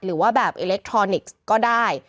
หรือว่าแบบอิเล็กทรอนิกส์ก็ได้